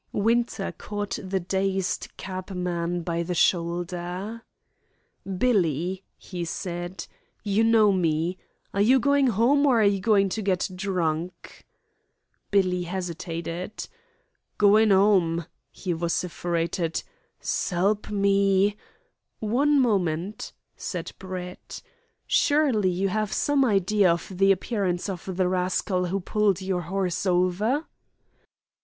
Winter caught the dazed cabman by the shoulder. "Billy," he said, "you know me. Are you going home, or going to get drunk?" Billy hesitated. "Goin' 'ome," he vociferated. "S'elp me " "One moment," said Brett. "Surely you have some idea of the appearance of the rascal who pulled your horse over?"